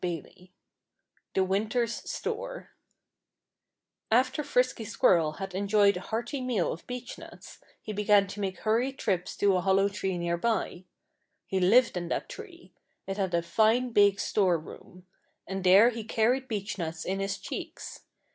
*XXIV* *THE WINTER'S STORE* After Frisky Squirrel had enjoyed a hearty meal of beechnuts he began to make hurried trips to a hollow tree nearby. He lived in that tree. It had a fine big storeroom. And there he carried beechnuts in his cheeks.